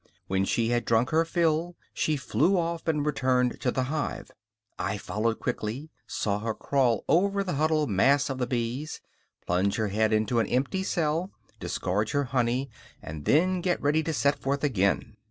When she had drunk her fill, she flew off and returned to the hive. I followed quickly, saw her crawl over the huddled mass of the bees, plunge her head into an empty cell, disgorge her honey, and then get ready to set forth again.